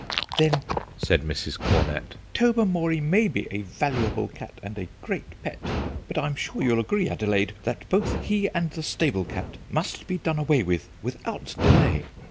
"Then," said Mrs. Cornett, "Tobermory may be a valuable cat and a great pet; but I'm sure you'll agree, Adelaide, that both he and the stable cat must be done away with without delay."